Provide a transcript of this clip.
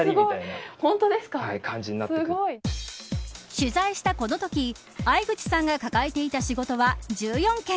取材したこのとき藍口さんが抱えていた仕事は１４件。